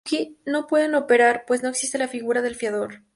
En Kentucky no pueden operar, pues no existe la figura del fiador.